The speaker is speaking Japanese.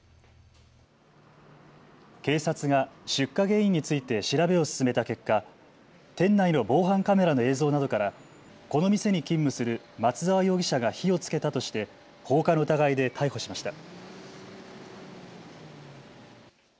警察が出火原因について調べを進めた結果、店内の防犯カメラの映像などからこの店に勤務する松澤容疑者が火をつけたとして放火の疑いで逮捕しました。